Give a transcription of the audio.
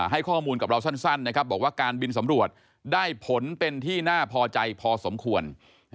ให้ข้อมูลกับเราสั้นนะครับบอกว่าการบินสำรวจได้ผลเป็นที่น่าพอใจพอสมควร